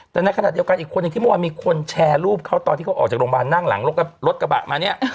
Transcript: แต่ในขณะเดียวกันอีกคนหนึ่งที่เมื่อวานมีคนแชร์รูปเขาตอนที่เขาออกจากโรงพยาบาลนั่งหลังรถกระบะมาเนี่ย